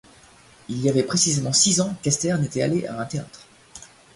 Il y avait précisément six ans qu’Esther n’était allée à un théâtre.